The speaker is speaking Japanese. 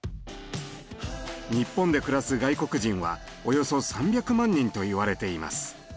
日本で暮らす外国人はおよそ３００万人と言われています。